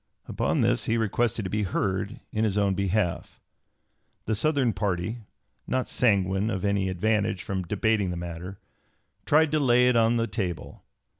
Upon this he requested to be heard in his own behalf. The Southern party, not sanguine of any advantage from debating the matter, tried to lay it on the table.